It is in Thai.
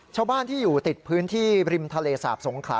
ชาวบ้านที่อยู่ติดพื้นที่ริมทะเลสาบสงขลา